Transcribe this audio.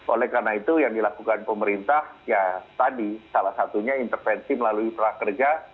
oleh karena itu yang dilakukan pemerintah ya tadi salah satunya intervensi melalui prakerja